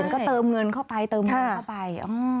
ก็เติมเงินเข้าไปเติมเงินเข้าไป